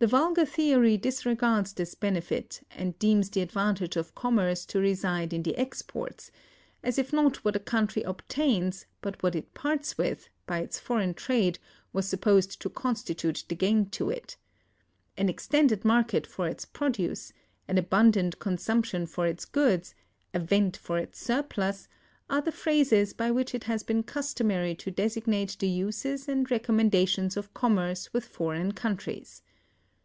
The vulgar theory disregards this benefit and deems the advantage of commerce to reside in the exports: as if not what a country obtains, but what it parts with, by its foreign trade, was supposed to constitute the gain to it. An extended market for its produce—an abundant consumption for its goods—a vent for its surplus—are the phrases by which it has been customary to designate the uses and recommendations of commerce with foreign countries.